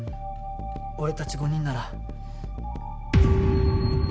俺たち５人なら。